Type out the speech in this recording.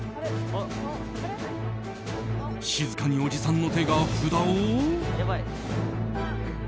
静かに、おじさんの手が札を。